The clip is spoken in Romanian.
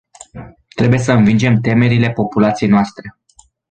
Trebuie să învingem temerile populației noastre.